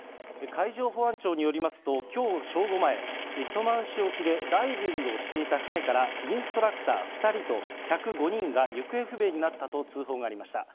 海上保安庁によりますと、きょう正午前、糸満市沖でダイビングをしていた船からインストラクター２人と、客５人が行方不明になったと通報がありました。